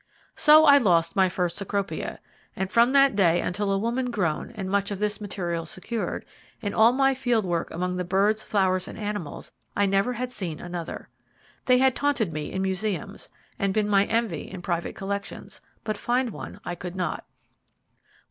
So I lost my first Cecropia, and from that day until a woman grown and much of this material secured, in all my field work among the birds, flowers, and animals, I never had seen another. They had taunted me in museums, and been my envy in private collections, but find one, I could not.